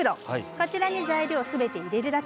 こちらに材料すべて入れるだけ。